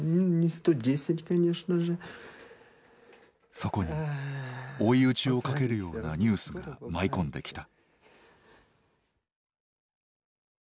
そこに追い打ちをかけるようなニュースが舞い込んできた。